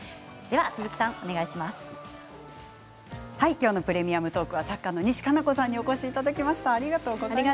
今日の「プレミアムトーク」は作家の西加奈子さんにお越しいただきました。